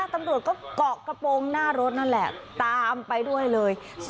ตำรวจก็เกาะกระโปรงหน้ารถนั่นแหละตามไปด้วยเลย